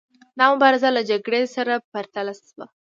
دا مبارزه له جګړې سره پرتله شوه.